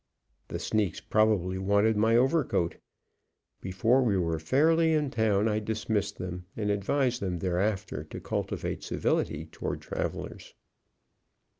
The sneaks probably wanted my overcoat. Before we were fairly in town I dismissed them, and advised them thereafter to cultivate civility toward travelers.